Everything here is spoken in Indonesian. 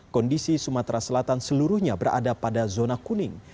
kondisi sumatera selatan seluruhnya berada pada zona kuning